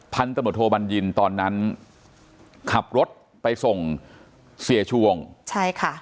พันตำรวจโทบัญญินตอนนั้นขับรถไปส่งเสียชวงใช่ค่ะ